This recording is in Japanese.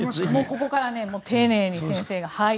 これから丁寧に先生が。